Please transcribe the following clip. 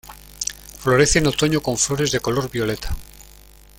Florece en otoño con flores de color violeta.